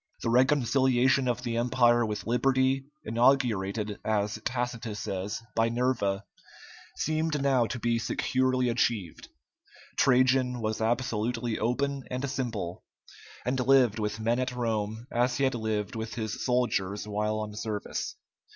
The reconciliation of the Empire with liberty, inaugurated, as Tacitus says, by Nerva, seemed now to be securely achieved. Trajan was absolutely open and simple, and lived with men at Rome as he had lived with his soldiers while on service.